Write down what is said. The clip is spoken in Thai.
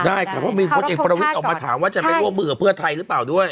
ได้แต่ว่ามีคนเองประวิทย์ออกมาถามว่าจะไม่รู้ว่าเบื่อเพื่อไทยหรือเปล่าด้วย